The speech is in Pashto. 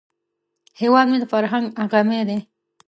هیواد مې د فرهنګ غمی دی